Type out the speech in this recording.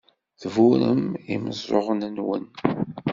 Tberrum i yimeẓẓuɣen-nwen.